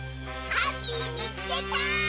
ハッピーみつけた！